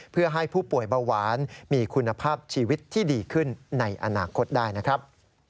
เพื่อให้ผู้ป่วยเบาหวานมีคุณภาพชีวิตที่ดีขึ้นในอนาคตได้นะครับ